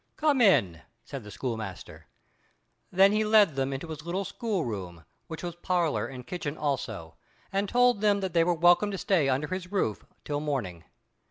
"Come in," said the schoolmaster. Then he led them into his little school room, which was parlour and kitchen also, and told them that they were welcome to stay under his roof till morning.